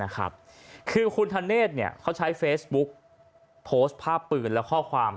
คือคุณธเนธเขาใช้เฟซบุ๊กโพสต์ภาพปืนและข้อความ